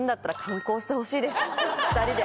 ２人で。